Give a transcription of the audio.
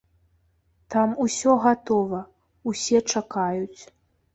Там усё гатова, усе чакаюць.